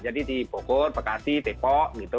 jadi di bogor bekasi depok gitu